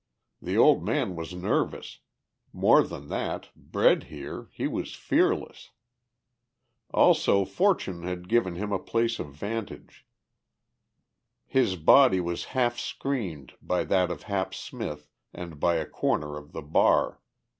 The old man was nervous; more than that, bred here, he was fearless. Also fortune had given him a place of vantage. His body was half screened by that of Hap Smith and by a corner of the bar.